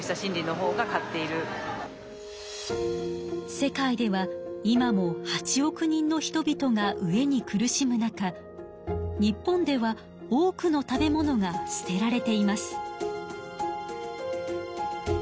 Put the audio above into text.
世界では今も８億人の人びとが飢えに苦しむ中日本では多くの食べ物が捨てられています。